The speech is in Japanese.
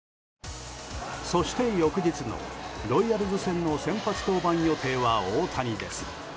そして、翌日のロイヤルズ戦の先発登板予定は大谷です。